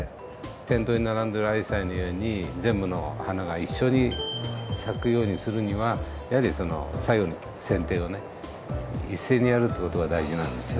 店頭に並んでるアジサイのように全部の花が一緒に咲くようにするには最後のせん定を一斉にやるって事が大事なんですよね。